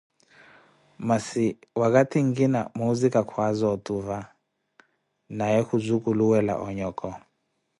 Masi wakathi nkina muusika khwaaza otuva na we khuzukuluwela onyoko.